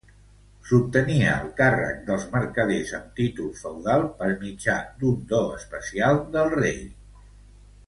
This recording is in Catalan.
S'obtenia el càrrec dels mercaders amb títol feudal per mitjà d'un do especial del rei.